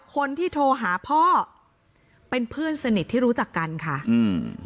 คนที่โทรหาพ่อเป็นเพื่อนสนิทที่รู้จักกันค่ะอืม